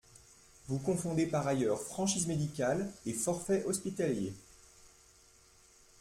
Vous confondez par ailleurs franchise médicale et forfait hospitalier.